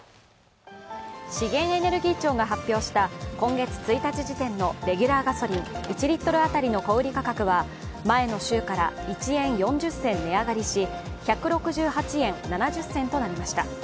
資源エネルギー庁が発表した今月１日時点のレギュラーガソリン１リットル当たりの小売価格は前の週から１円４０銭値上がりし１６８円７０銭となりました。